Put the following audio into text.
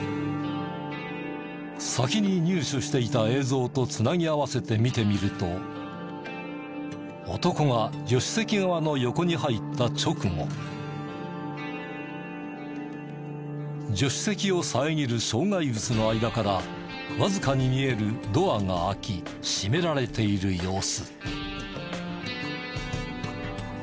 先に入手していた映像と繋ぎ合わせて見てみると男が助手席側の横に入った直後助手席を遮る障害物の間からわずかに見えるドアが開き閉められている様子。